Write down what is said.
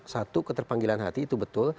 satu keterpanggilan hati itu betul